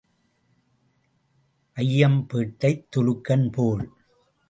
ஐயம்பேட்டைத் துலுக்கன் போல்.